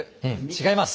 違います。